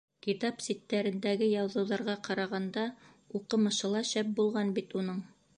Китап ситтәрендәге яҙыуҙарға ҡарағанда, уҡымышы ла шәп булған бит уның!